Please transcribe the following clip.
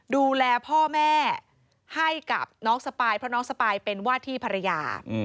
ดูแลพ่อแม่ให้กับน้องสปายเพราะน้องสปายเป็นว่าที่ภรรยา